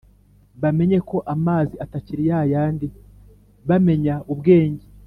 bamenye ko amazi atakiri ya yandi bamenya ubwenge